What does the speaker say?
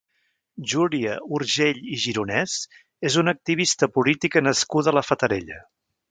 Júlia Urgell i Gironès és una activista política nascuda a la Fatarella.